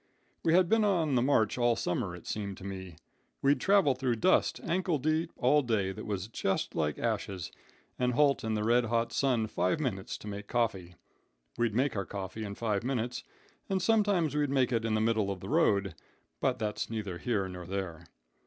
"We had been on the march all summer, it seemed to me. We'd travel through dust ankle deep all day that was just like ashes, and halt in the red hot sun five minutes to make coffee. We'd make our coffee in five minutes, and sometimes we'd make it in the middle of the road; but that's neither here nor there.